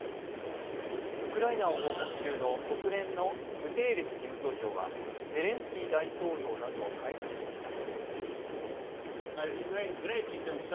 ウクライナを訪問中の国連のグテーレス事務総長らはゼレンスキー大統領らと会談しました。